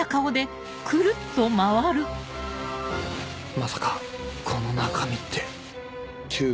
まさかこの中身ってツー。